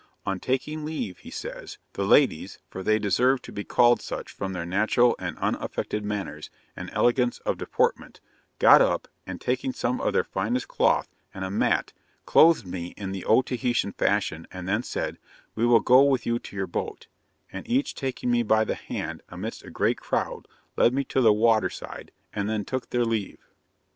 On taking leave, he says, 'the ladies, for they deserve to be called such from their natural and unaffected manners, and elegance of deportment, got up, and taking some of their finest cloth and a mat, clothed me in the Otaheitan fashion, and then said, "We will go with you to your boat;" and each taking me by the hand, amidst a great crowd, led me to the water side, and then took their leave.'